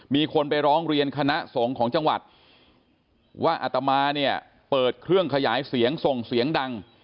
มีคนไปร้องเรียนคณะสงฆ์ของจังหวัดว่าอัตมาเนี่ยเปิดเครื่องขยายเสียงส่งเสียงดัง